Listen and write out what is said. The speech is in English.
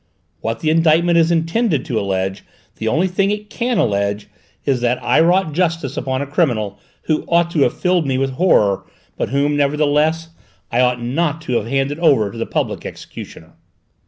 What the indictment is intended to allege, the only thing it can allege, is that I wrought justice upon a criminal who ought to have filled me with horror but whom, nevertheless, I ought not to have handed over to the public executioner."